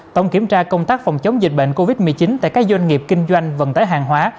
tổng kiểm tra công tác phòng chống dịch bệnh covid một mươi chín tại các doanh nghiệp kinh doanh vận tải hàng hóa